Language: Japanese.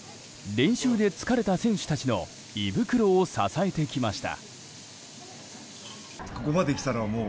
練習で疲れた選手たちの胃袋を支えてきました。